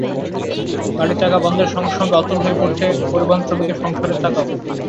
গাড়ির চাকা বন্ধের সঙ্গে সঙ্গে অচল হয়ে পড়ছে পরিবহনশ্রমিকের সংসারের চাকাও।